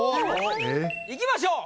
いきましょう。